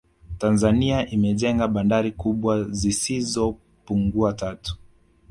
Tanzania imejenga bandari kubwa zisizo pungua tatu